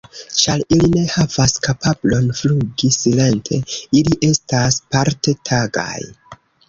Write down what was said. Ĉar ili ne havas kapablon flugi silente, ili estas parte tagaj.